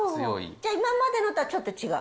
じゃ今までのとちょっと違う？